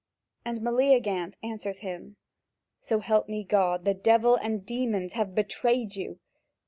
And Meleagant answers him: "So help me God, the devils and demons have betrayed you.